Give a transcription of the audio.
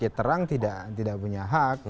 ya terang tidak punya hak